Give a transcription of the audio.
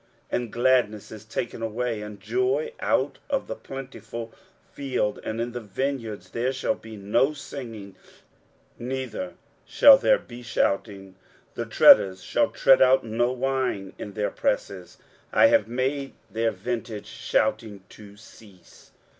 23:016:010 And gladness is taken away, and joy out of the plentiful field; and in the vineyards there shall be no singing, neither shall there be shouting: the treaders shall tread out no wine in their presses; I have made their vintage shouting to cease.